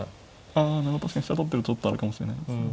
あ確かに飛車取ってるとちょっとあるかもしれないですね。